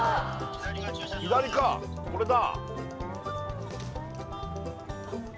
左かこれだ